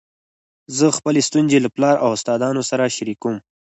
زه خپلي ستونزي له پلار او استادانو سره شریکوم.